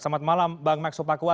selamat malam bang maxo pakua